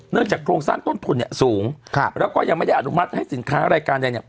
จากโครงสร้างต้นทุนเนี่ยสูงแล้วก็ยังไม่ได้อนุมัติให้สินค้ารายการใดเนี่ย